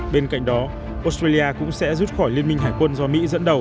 bên cạnh đó australia cũng sẽ rút khỏi liên minh hải quân do mỹ dẫn đầu